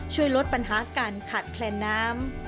ช่วยลดปัญหาการขาดแคลนน้ำ